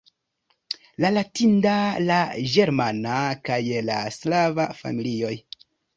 la latinida, la ĝermana kaj la slava familioj.